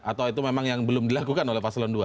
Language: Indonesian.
atau itu memang yang belum dilakukan oleh paslon dua